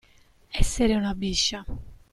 Essere una biscia.